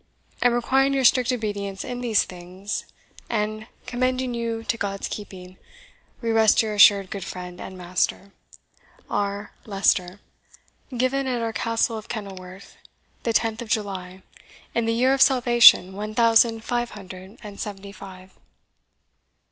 And requiring your strict obedience in these things, and commending you to God's keeping, we rest your assured good friend and master, "R. LEICESTER. "Given at our Castle of Kenilworth, the tenth of July, in the year of Salvation one thousand five hundred and seventy five."